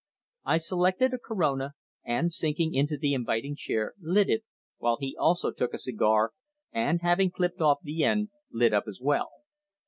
I selected a Corona, and sinking into the inviting chair, lit it, while he also took a cigar, and having clipped off the end, lit up as well.